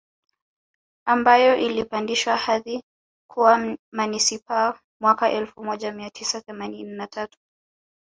Ambayo ilipandishwa hadhi kuwa Manispaa mwaka elfu moja mia tisa themanini na tatu